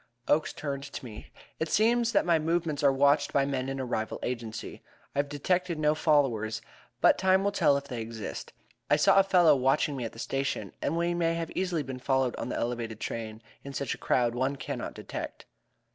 Oakes turned to me: "It seems that my movements are watched by men in a rival agency. I have detected no followers, but time will tell if they exist. I saw a fellow watching me at the station, and we may have easily been followed on the elevated train; in such a crowd one cannot detect."